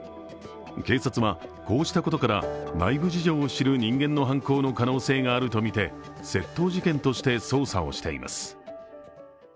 警察はこうしたことから、内部事情を知る人間の犯行の可能性があるとみて窃盗事件として捜査をしています。